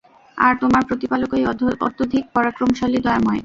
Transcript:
আর তোমার প্রতিপালকই অত্যধিক পরাক্রমশালী, দয়াময়।